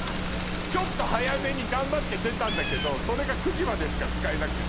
ちょっと早めに頑張って出たんだけどそれが９時までしか使えなくて。